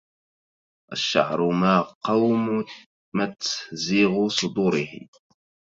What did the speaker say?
الشعر ما قومت زيغ صدوره